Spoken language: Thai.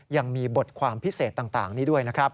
ยังมีบทความพิเศษต่างนี้ด้วยนะครับ